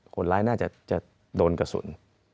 คนร้ายน่าจะโดนกระสุน